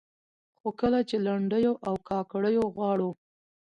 خو کله چې لنډيو او کاکړيو غاړو